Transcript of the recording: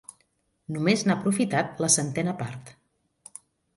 Només n'ha aprofitat la centena part.